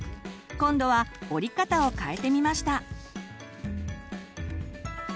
今度は折り方を変えてみました。